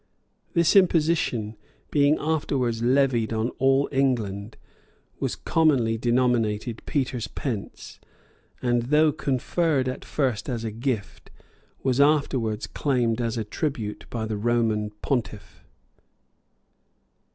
This imposition, being afterwards levied on all England, was commonly denominated Peter's pence;[] and though conferred at first as a gift, was afterwards claimed as a tribute by the Roman pontiff.